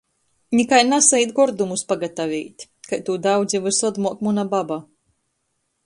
Nikai nasaīt gordumus pagataveit... kai tū daudz i vysod muok muna baba...